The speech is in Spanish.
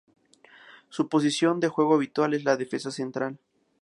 Su posición de juego habitual es la de defensa central.